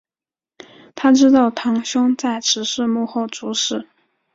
她知道堂兄在此事幕后主使。